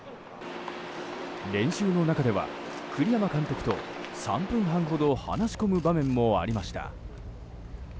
練習の中では栗山監督と３分半ほど話し込む場面もありました。